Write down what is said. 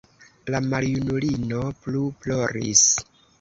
La maljunulino plu ploris.